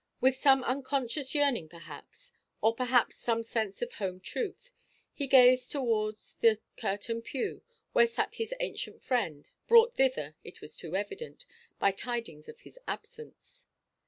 With some unconscious yearning perhaps, or perhaps some sense of home–truth, he gazed towards the curtained pew where sat his ancient friend, brought thither (it was too evident) by tidings of his absence.